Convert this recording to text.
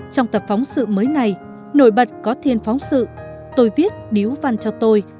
trong tập phóng sự mới này nổi bật có thiên phóng sự tôi viết điếu văn cho tôi